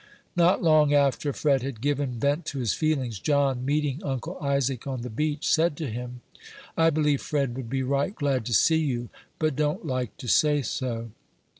Not long after Fred had given vent to his feelings, John, meeting Uncle Isaac on the beach, said to him, "I believe Fred would be right glad to see you, but don't like to say so."